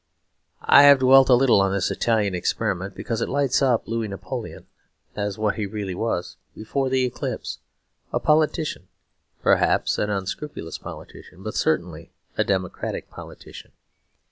I have dwelt a little on this Italian experiment because it lights up Louis Napoleon as what he really was before the eclipse, a politician perhaps an unscrupulous politician but certainly a democratic politician.